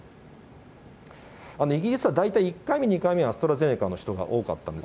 イギリスは大体１回目、２回目はアストラゼネカの人が多かったんです。